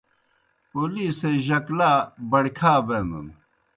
پولیسے جک لا بَڑیْ کھا بینَن۔